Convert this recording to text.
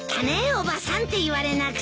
おばさんって言われなくて。